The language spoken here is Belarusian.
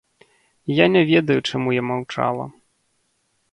Я не ведаю, чаму я маўчала.